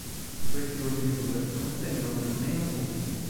Questi ultimi due non ottengono nemmeno punti.